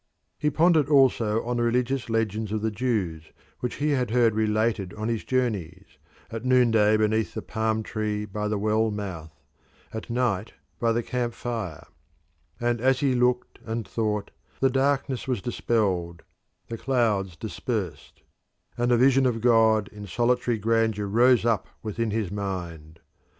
He pondered also on the religious legends of the Jews which he had heard related on his journeys, at noonday beneath the palm tree by the well mouth, at night by the camp fire; and as he looked and thought, the darkness was dispelled, the clouds dispersed, and the vision of God in solitary grandeur rose up within his mind.